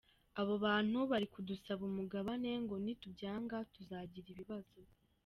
Abo bantu bari kudusaba umugabane, ngo nitubyanga tuzagira ibibazo.